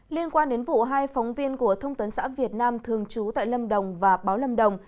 liên quan đến vụ hai phóng viên của thông tấn xã việt nam thường trú tại lâm đồng và báo lâm đồng